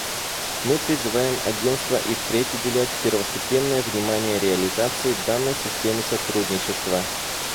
Мы призываем Агентство и впредь уделять первостепенное внимание реализации данной системы сотрудничества.